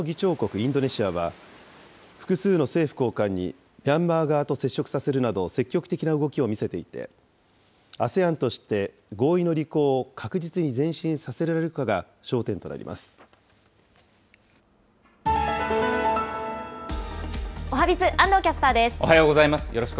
インドネシアは、複数の政府高官にミャンマー側と接触させるなど、積極的な動きを見せていて、ＡＳＥＡＮとして合意の履行を確実に前進させられるおはＢｉｚ、安藤キャスターおはようございます。